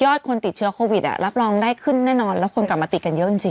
คนติดเชื้อโควิดรับรองได้ขึ้นแน่นอนแล้วคนกลับมาติดกันเยอะจริง